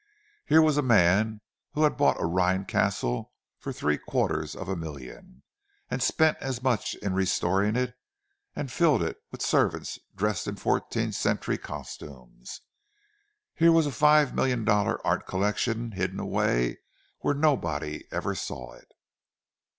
Here was a man who had bought a Rhine castle for three quarters of a million, and spent as much in restoring it, and filled it with servants dressed in fourteenth century costumes. Here was a five million dollar art collection hidden away where nobody ever saw it!